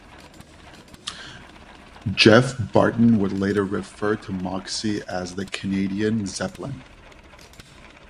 Geoff Barton would later refer to Moxy as the Canadian Zeppelin.